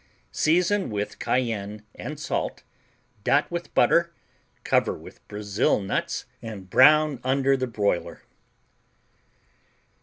Season with cayenne and salt, dot with butter, cover with Brazil nuts and brown under the broiler.